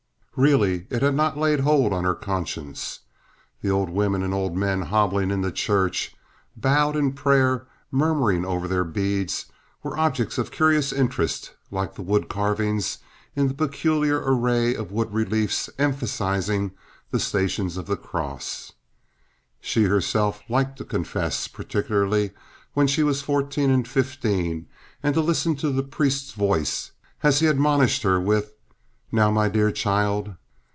Really, it had not laid hold on her conscience. The old women and old men hobbling into church, bowed in prayer, murmuring over their beads, were objects of curious interest like the wood carvings in the peculiar array of wood reliefs emphasizing the Stations of the Cross. She herself had liked to confess, particularly when she was fourteen and fifteen, and to listen to the priest's voice as he admonished her with, "Now, my dear child."